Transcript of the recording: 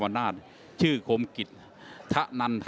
สวัสดีครับ